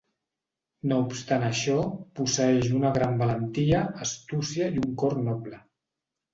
No obstant això, posseeix una gran valentia, astúcia i un cor noble.